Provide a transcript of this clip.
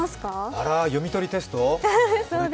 あら、読み取りテスト？